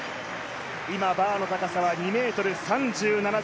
今、バーの高さは２ｍ３７ｃｍ。